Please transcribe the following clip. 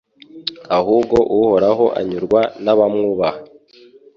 uhubwo Uhoraho anyurwa n’abamwubaha